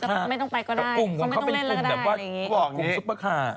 เขาเข้าใจเขาจะไม่ต้องไปก็ได้เขาไม่ต้องเล่นแล้วก็ได้อะไรอย่างงี้